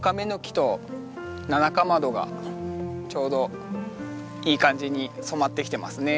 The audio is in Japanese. ちょうどいい感じに染まってきてますね。